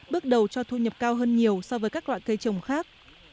bước đầu cho thu nhập cao hơn nhiều so với các loại cây trồng khác